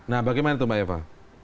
nah bagaimana itu mbak eva